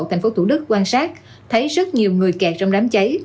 tp hcm quan sát thấy rất nhiều người kẹt trong đám cháy